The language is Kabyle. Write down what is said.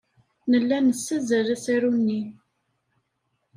Nella nessazzal asaru-nni.